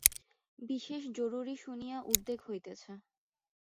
বিশেষ জরুরি শুনিয়া উদ্বেগ হইতেছে।